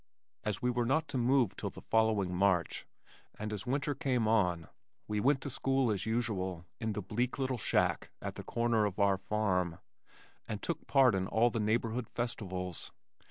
As we were not to move till the following March, and as winter came on we went to school as usual in the bleak little shack at the corner of our farm and took part in all the neighborhood festivals.